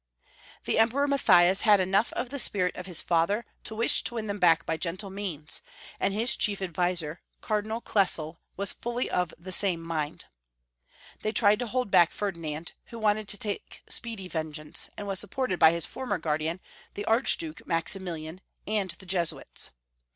The Emperor Matthias had enough of the spirit of his father to wish to win them back by gentle means, and his chief adviser. Cardinal Klesel, was fully of the same mind. They tried to hold back Ferdinand, who wanted to take speedy vengeance, and was supported by his former guardian, the Archduke Maximilian, and the Jesuits.